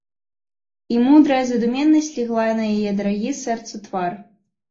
І мудрая задуменнасць легла на яе дарагі сэрцу твар.